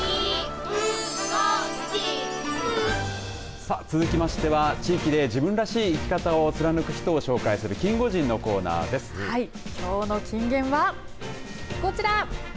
さあ、続きましては地域で自分らしい生き方を貫く人を紹介するはい、きょうの金言はこちら。